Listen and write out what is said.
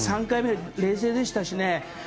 ３回目で冷静でしたしね。